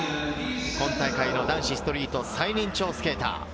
今大会の男子ストリート最年長スケーター。